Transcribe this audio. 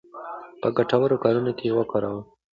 په ګټورو کارونو کې یې وکاروو.